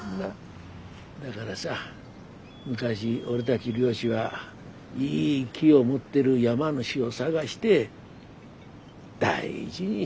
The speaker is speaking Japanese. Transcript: だがらさ昔俺たち漁師はいい木を持ってる山主を探して大事にして仲よ